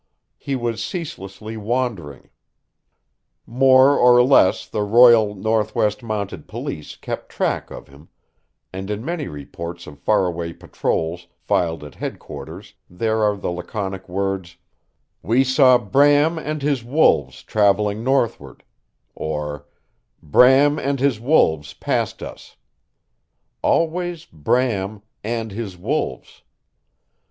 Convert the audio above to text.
He was ceaselessly wandering. More or less the Royal Northwest Mounted Police kept track of him, and in many reports of faraway patrols filed at Headquarters there are the laconic words, "We saw Bram and his wolves traveling northward" or "Bram and his wolves passed us" always Bram AND HIS WOLVES.